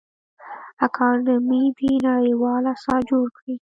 اکاډمي دي نړیوال اثار جوړ کړي.